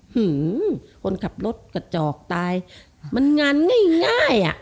หือคนขับรถกระจอกตายมันงานง่ายอ่ะ